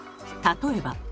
例えば。